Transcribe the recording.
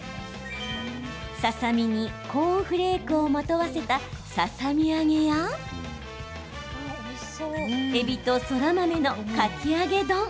ささ身にコーンフレークをまとわせた、ささ身揚げやえびとそら豆のかき揚げ丼。